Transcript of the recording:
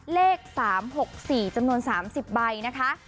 เลข๓๖๔จำนวน๓๐ใบนะคะ